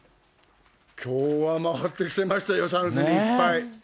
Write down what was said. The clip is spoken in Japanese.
きょうは回ってきてましたよ、チャンスにいっぱい。